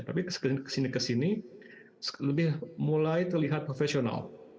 tapi ke sini kesini lebih mulai terlihat profesional